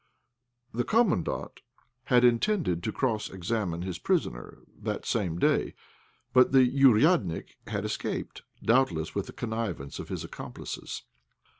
The Commandant had intended to cross examine his prisoner that same day, but the "ouriadnik" had escaped, doubtless with the connivance of his accomplices.